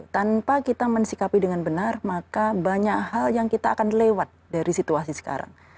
tanpa kita mensikapi dengan benar maka banyak hal yang kita akan lewat dari situasi sekarang